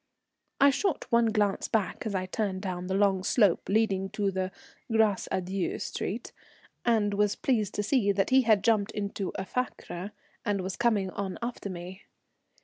I shot one glance back as I turned down the long slope leading to the Grâce à Dieu Street, and was pleased to see that he had jumped into a fiacre and was coming on after me.